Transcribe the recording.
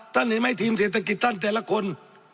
เห็นไหมทีมเศรษฐกิจท่านแต่ละคน